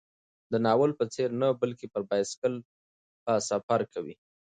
د ناول په څېر نه، بلکې پر بایسکل به سفر کوي.